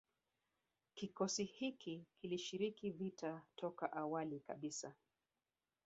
Kikosi hiki kilishiriki vita toka awali kabisa